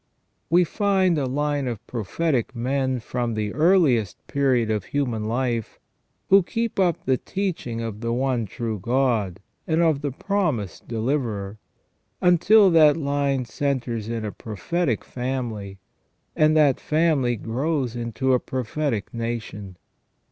We find a line of prophetic men from the earliest period of human life, who keep up the teaching of the one true God and of the promised Deliverer, until that line centres in a prophetic family, and that family grows into a prophetic AND THE REDEMPTION OF CHRIST 283 nation.